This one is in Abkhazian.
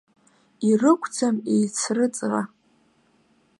Ирықәӡам еицрыҵра.